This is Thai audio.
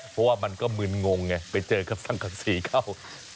เพราะว่ามันก็มึนงงไงไปเจอกับสังกษีเข้า